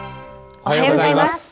おはようございます。